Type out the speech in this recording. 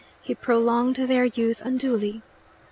He prolonged their youth unduly.